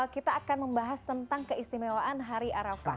kita akan membahas tentang keistimewaan hari arafah